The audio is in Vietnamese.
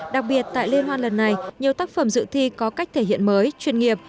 đặc biệt tại liên hoan lần này nhiều tác phẩm dự thi có cách thể hiện mới chuyên nghiệp